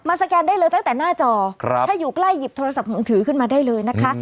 สแกนได้เลยตั้งแต่หน้าจอครับถ้าอยู่ใกล้หยิบโทรศัพท์มือถือขึ้นมาได้เลยนะคะ